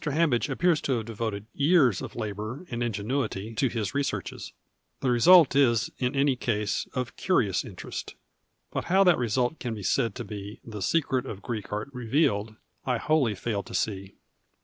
Hambidge appears to have devoted years of labour and ingenuity to his researches. The result is in any case of curious interest. But 189 PASTICHE AND PREJUDICE liow that result can be said to be *' the secret of Greek art revealed " I \vholly fail to sec.